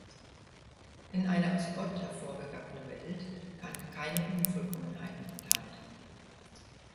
Denn eine aus Gott hervorgegangene Welt kann keine Unvollkommenheiten enthalten.